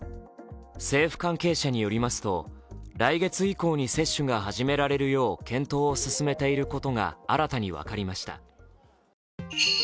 政府関係者によりますと来月以降に接種が始められるよう検討を進めていることが新たに分かりました。